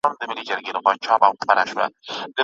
زما په نوم به سلطنت کښلی اسمان وي